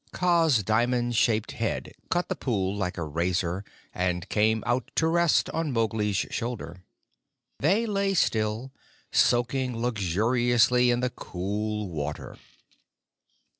Kaa's diamond shaped head cut the pool like a razor, and came out to rest on Mowgli's shoulder. They lay still, soaking luxuriously in the cool water.